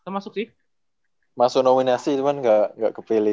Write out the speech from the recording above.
masuk nominasi cuman gak kepilih